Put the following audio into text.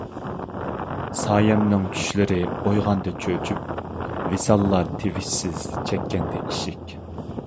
سايەمنىڭ چۈشلىرى ئويغاندى چۆچۈپ، ۋىساللار تىۋىشسىز چەككەندە ئىشىك.